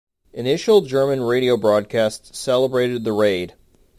Initial German radio broadcasts celebrated the raid.